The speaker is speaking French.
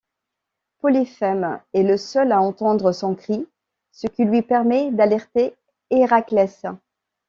Polyphème est le seul à entendre son cri, ce qui lui permet d'alerter Héraclès.